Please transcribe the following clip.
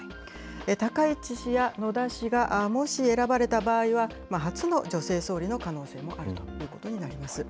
高市氏や野田氏がもし選ばれた場合は、初の女性総理の可能性もあるということになります。